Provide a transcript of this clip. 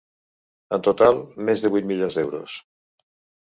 En total, més de vuit milions d’euros.